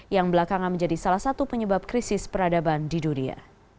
yang belakangan menjadi salah satu penyebab krisis peradaban di dunia